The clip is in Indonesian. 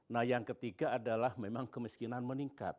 nah yang ketiga adalah memang kemiskinan meningkat